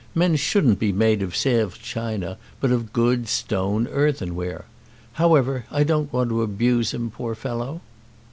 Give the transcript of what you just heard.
Men shouldn't be made of Sèvres china, but of good stone earthenware. However, I don't want to abuse him, poor fellow."